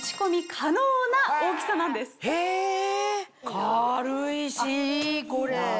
軽いしいいこれ。